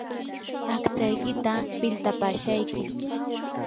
aqtsaykita piltapaashayki.